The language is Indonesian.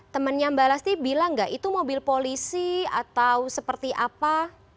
temennya mbak lasti bilang nggak itu mobil polisi atau seperti apa